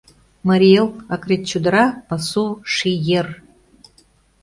Марий Эл — Акрет чодыра, пасу, ший ер.